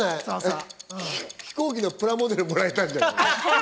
飛行機のプラモデルもらえたんじゃない？